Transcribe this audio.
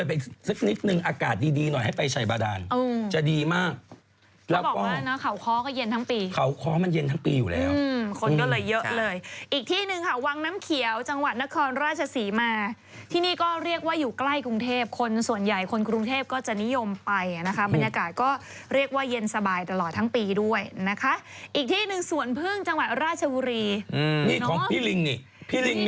เพราะว่ามันเย็นทั้งปีอยู่แล้วอืมคนก็เลยเยอะเลยอีกที่หนึ่งค่ะวังน้ำเขียวจังหวัดนครราชศรีมาที่นี่ก็เรียกว่าอยู่ใกล้กรุงเทพคนส่วนใหญ่คนกรุงเทพก็จะนิยมไปนะคะบรรยากาศก็เรียกว่าเย็นสบายตลอดทั้งปีด้วยนะคะอีกที่หนึ่งสวนพึ่งจังหวัดราชวรีอืมนี่ของพี่ลิงนี่พี่ลิงม